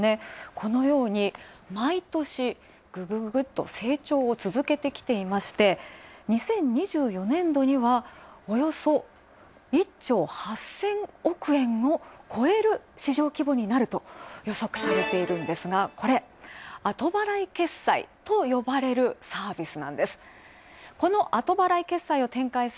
このように、毎年ぐぐぐっと成長を続けてきていまして、２０２４年度には、およそ１兆８０００億円を超える市場規模になると予測されているんですがこれ、後払い決済と呼ばれるサービスなんです。